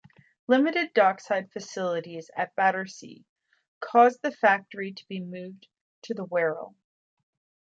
Limited dockside facilities at Battersea caused the factory to be moved to the Wirral.